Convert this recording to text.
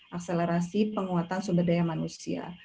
akselerasi penguatan sumber daya manusia